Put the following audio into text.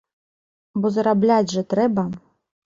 Бо зарабляць жа трэба.